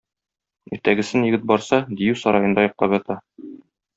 Иртәгесен егет барса - дию сараенда йоклап ята.